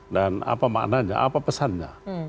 dan apa maknanya apa pesannya